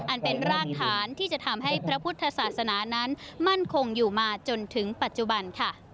อันเป็นรากฐานที่จะทำให้พระพุทธศาสนานั้นมั่นคงอยู่มาจนถึงปัจจุบันค่ะ